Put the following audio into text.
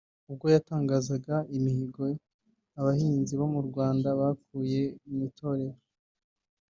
ubwo yatangazaga imihigo abahanzi bo mu Rwanda bakuye mu itorero